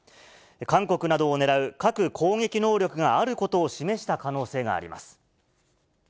韓国などを狙う核攻撃能力があることを示した可能性があります。